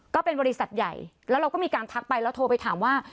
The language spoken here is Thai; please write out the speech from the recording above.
ก็เป็นบริษัทใหญ่แล้วเราก็มีการทักไปแล้วโทรไปถามว่า